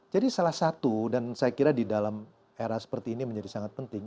jadi salah satu dan saya kira di dalam era seperti ini menjadi sangat penting